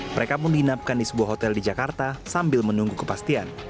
mereka pun dinapkan di sebuah hotel di jakarta sambil menunggu kepastian